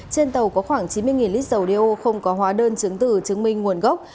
trên tàu có khoảng chín mươi lít dầu đeo không có hóa đơn chứng từ chứng minh nguồn gốc